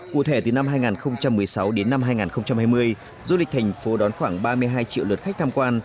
cụ thể từ năm hai nghìn một mươi sáu đến năm hai nghìn hai mươi du lịch thành phố đón khoảng ba mươi hai triệu lượt khách tham quan